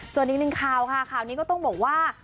ส่วนนิ่งคราวค่ะคราวนี้ก็ต้องบอกว่า